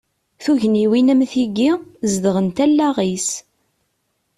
Tugniwin am tigi, zedɣent allaɣ-is.